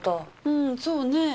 うんそうねえ。